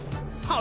あ？